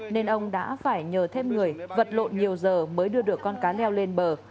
nên ông đã phải nhờ thêm người vật lộn nhiều giờ mới đưa được con cá leo lên bờ